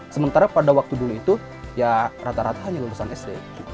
sementara pada waktu dulu itu ya rata rata hanya lulusan sd